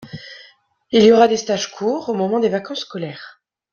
il y aura des stages courts au moment des vacances scolaires.